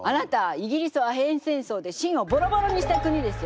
イギリスはアヘン戦争で清をボロボロにした国ですよ！